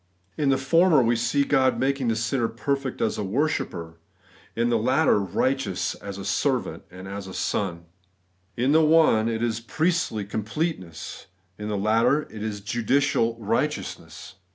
In the former we see God making the sinner ^perfect as a worshipper; in the latter, righteous as a servant and a son. In the one it is priestly completeness ; in the latter it is judicial righteousness.